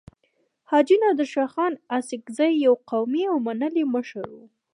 حاجي نادر شاه خان اسحق زی يو قوي او منلی مشر وو.